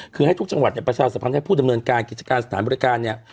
คือให้ทุกจังหวัดเนี่ยประชาสัมพันธ์ให้ผู้ดำเนินการกิจการสถานบริการเนี่ย